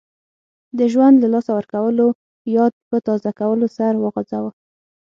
د ژوند له لاسه ورکولو یاد په تازه کولو سر وخوځاوه.